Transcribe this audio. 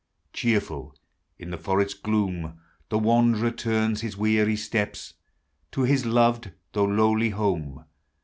Cheerful in the forest gloom, The wanderer turns his weary Bteps To liis loved, though lowly home.